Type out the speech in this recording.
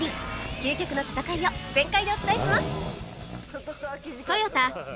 究極の戦いを全開でお伝えします